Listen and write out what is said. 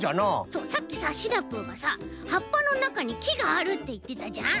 そうさっきさシナプーがさはっぱのなかにきがあるっていってたじゃん？